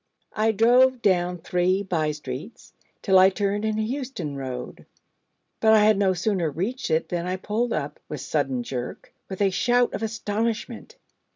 I drove down three by streets, till I turned into Euston Road: but I had no sooner reached it than I pulled up with sudden jerk with a shout of astonishment.